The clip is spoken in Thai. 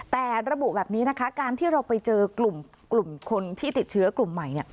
แต่ระบุแบบนี้นะคะการที่เราไปเจอกลุ่มคนที่ติดเชื้อกลุ่มใหม่